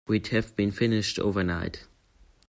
We'd have been finished overnight.